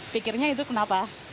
pikirnya itu kenapa